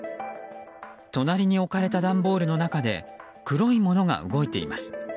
隣に置かれた段ボールの中で黒いものが動いています。